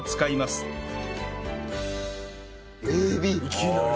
いきなり！